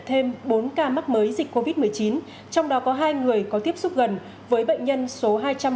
thêm bốn ca mắc mới dịch covid một mươi chín trong đó có hai người có tiếp xúc gần với bệnh nhân số hai trăm ba mươi